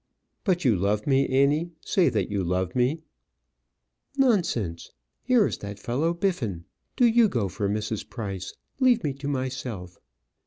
"But you love me, Annie? say that you love me." "Nonsense. Here is that fellow, Biffin. Do you go for Mrs. Price leave me to myself."